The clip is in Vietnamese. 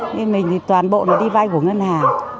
thì mình thì toàn bộ nó đi vai của ngân hàng